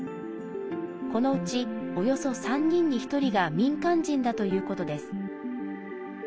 このうち、およそ３人に１人が民間人だということです。